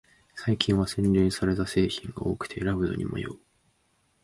最近は洗練された製品が多くて選ぶのに迷う